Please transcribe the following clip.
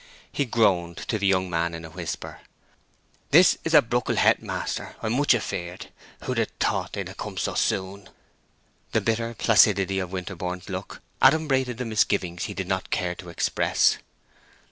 He groaned to the young man in a whisper, "This is a bruckle het, maister, I'm much afeared! Who'd ha' thought they'd ha' come so soon?" The bitter placidity of Winterborne's look adumbrated the misgivings he did not care to express.